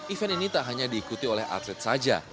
event ini tak hanya diikuti oleh atlet saja